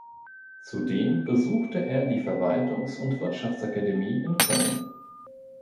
Zudem besuchte er die Verwaltungs- und Wirtschaftsakademie in Köln.